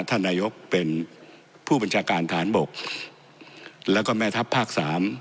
ท่านนายกเป็นผู้บัญชาการฐานบกแล้วก็แม่ทัพภาคสาม